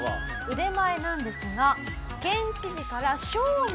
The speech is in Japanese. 腕前なんですが。